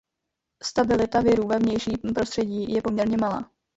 Stabilita virů ve vnějším prostředí je poměrně malá.